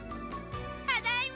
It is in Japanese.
ただいま！